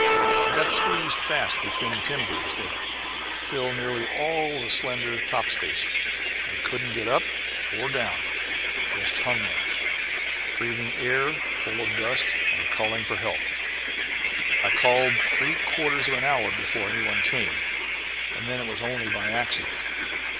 I got squeezed fast between timbers that fill nearly all the slender top space, and couldn't get up or down, but just hung there, breathing air full of dust and calling for help. I called three quarters of an hour before any one came, and then it was only by accident.